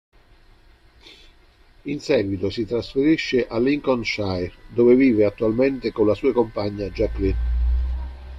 In seguito si trasferisce a Lincolnshire dove vive attualmente con la sua compagna Jacqueline.